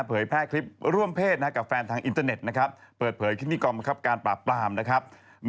เผยแพร่คลิปร่วมเพศกับแฟนทางอินเทอร์เน็ตนะครับเปิดเผยขึ้นที่กองบังคับการปราบปรามนะครับ